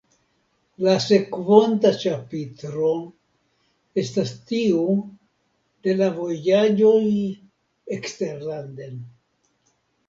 La sekvonta ĉapitro estas tiu de la vojaĝoj eksterlanden.